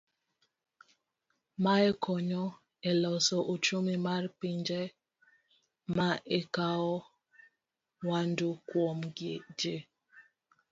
Mae konyo e loso uchumi mar pinje ma ikawo mwandu kuom gi.